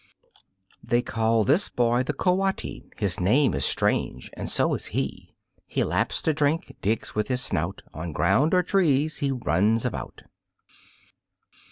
They call this boy the Coati, His name is strange, and so is he. He laps to drink, digs with his snout. On ground or trees he runs about.